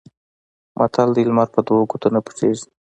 متل دی: لمر په دوو ګوتو نه پټېږي.